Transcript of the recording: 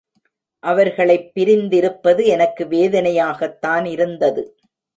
அவர்களைப் பிரிந்திருப்பது எனக்கு வேதனையாகத்தான் இருந்தது.